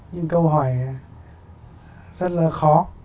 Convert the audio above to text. những câu hỏi rất là khó